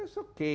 semua kan juga